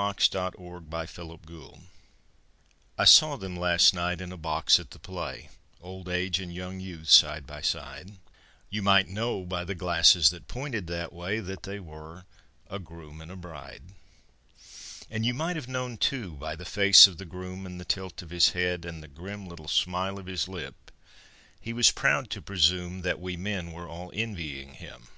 In a Box I saw them last night in a box at the play Old age and young youth side by side You might know by the glasses that pointed that way That they were a groom and a bride; And you might have known, too, by the face of the groom, And the tilt of his head, and the grim Little smile of his lip, he was proud to presume That we men were all envying him.